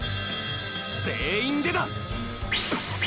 全員でだ！！